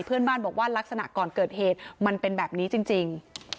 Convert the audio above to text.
เพื่อนบ้านบอกว่าลักษณะก่อนเกิดเหตุมันเป็นแบบนี้จริง